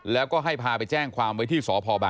แล้วก็ให้พาไปแจ้งความไว้ที่สพบาง